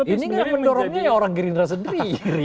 ini nggak mendorongnya ya orang gerindra sendiri